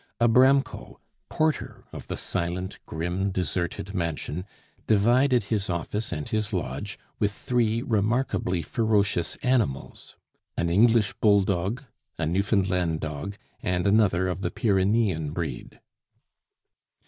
Abramko, porter of the silent, grim, deserted mansion, divided his office and his lodge with three remarkably ferocious animals an English bull dog, a Newfoundland dog, and another of the Pyrenean breed.